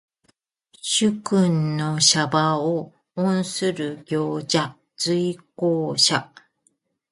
主君の車馬を御する従者。随行者。